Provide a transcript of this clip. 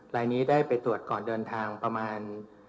ลายนี้ได้ไปตรวจก่อนเดินทางประมาณ